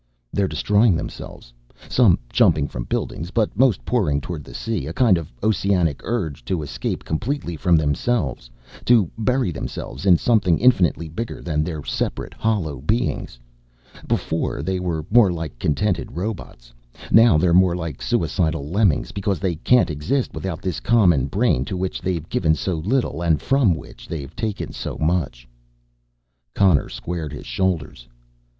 "They're destroying themselves! Some jumping from buildings but most pouring toward the sea, a kind of oceanic urge to escape completely from themselves, to bury themselves in something infinitely bigger than their separate hollow beings. Before they were more like contented robots. Now they're more like suicidal lemmings because they can't exist without this common brain to which they've given so little and from which they've taken so much." Connor squared his shoulders.